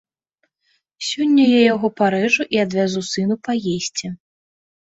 Сёння я яго парэжу і адвязу сыну паесці.